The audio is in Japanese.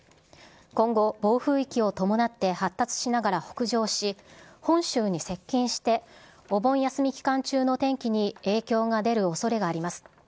今後、暴風域を伴って発達しながら北上し、本州に接近してお盆休み期間中の天気に影響が出るおそれがあります。